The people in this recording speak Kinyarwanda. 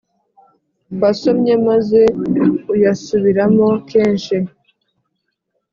wasomye, maze uyasubiremo kenshi